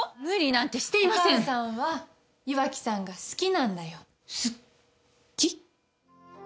無理なんてしていませんお母さんは岩城さんが好きなんだよすき？